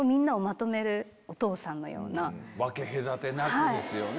分け隔てなくですよね。